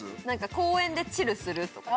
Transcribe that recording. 公園でチルするとか。